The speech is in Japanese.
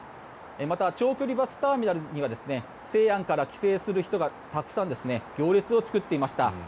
また、長距離バスターミナルには西安から帰省する人がたくさん行列を作っていました。